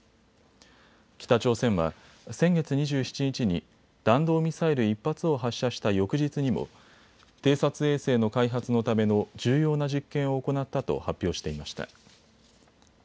北朝鮮は先月２７日に弾道ミサイル１発を発射した翌日にも偵察衛星の開発のための重要な実験を行ったと発表していました。